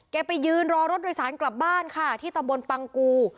ไปยืนรอรถโดยสารกลับบ้านค่ะที่ตำบลปังกู